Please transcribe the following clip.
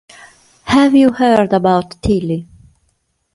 Have You Heard About Tillie?